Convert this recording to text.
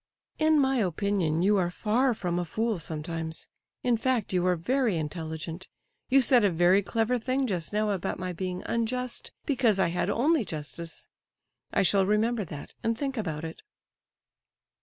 "In my opinion, you are far from a fool sometimes—in fact, you are very intelligent. You said a very clever thing just now about my being unjust because I had only justice. I shall remember that, and think about it."